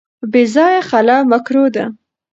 بې ځایه خلع مکروه ده.